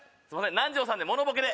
南條さんでモノボケで。